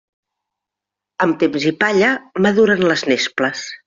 Amb temps i palla maduren les nesples.